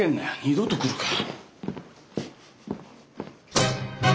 二度と来るか。